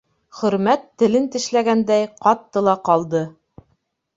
Хөрмәт, телен тешләгәндәй, ҡатты ла ҡалды.